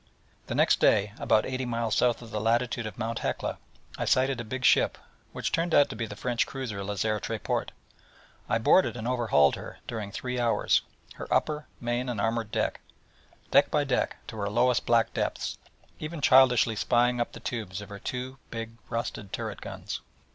The next day, about eighty miles south of the latitude of Mount Hekla, I sighted a big ship, which turned out to be the French cruiser Lazare Tréport. I boarded and overhauled her during three hours, her upper, main, and armoured deck, deck by deck, to her lowest black depths, even childishly spying up the tubes of her two big, rusted turret guns.